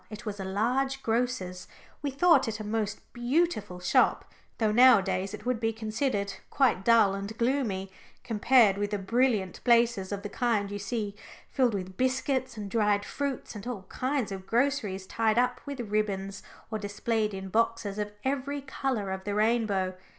It was a large grocer's. We thought it a most beautiful shop, though nowadays it would be considered quite dull and gloomy, compared with the brilliant places of the kind you see filled with biscuits and dried fruits and all kinds of groceries tied up with ribbons, or displayed in boxes of every colour of the rainbow.